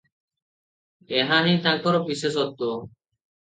ଏହାହିଁ ତାଙ୍କର ବିଶେଷତ୍ୱ ।